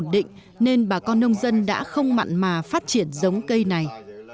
cây trồng chủ lực không ổn định nên bà con nông dân đã không mặn mà phát triển giống cây này